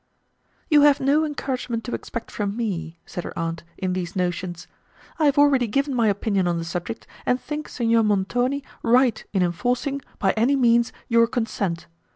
"You have no encouragement to expect from me," said her aunt, "in these notions. I have already given my opinion on the subject, and think Signor Montoni right in enforcing, by any means, your consent.